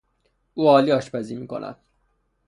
او عالی آشپزی میکند.